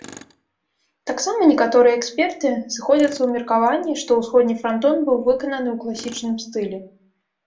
Таксама некаторыя эксперты сыходзяцца ў меркаванні, што ўсходні франтон быў выкананы ў класічным стылі.